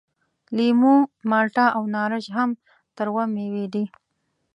لیمو، مالټه او نارنج هم تروه میوې دي.